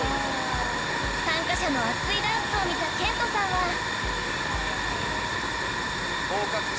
［参加者の熱いダンスを見たケントさんは］